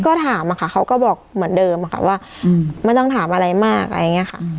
ก็ถามอะค่ะเขาก็บอกเหมือนเดิมค่ะว่าไม่ต้องถามอะไรมากอะไรอย่างนี้ค่ะ